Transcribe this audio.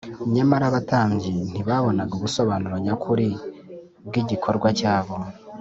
nyamara abatambyi ntibabonaga ubusobanuro nyakuri bw’igikorwa cyabo